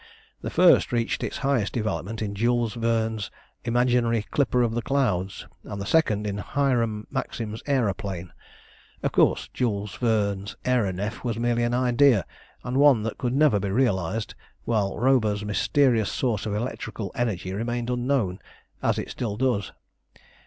The first reached its highest development in Jules Verne's imaginary "Clipper of the Clouds," and the second in Hiram Maxim's Aëroplane. Of course, Jules Verne's Aëronef was merely an idea, and one that could never be realised while Robur's mysterious source of electrical energy remained unknown as it still does.